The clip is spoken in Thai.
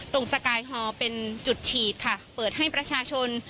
สกายฮอลเป็นจุดฉีดค่ะเปิดให้ประชาชน